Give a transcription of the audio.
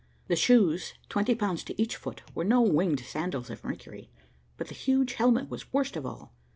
The shoes, twenty pounds to each foot, were no winged sandals of Mercury, but the huge helmet was worst of all.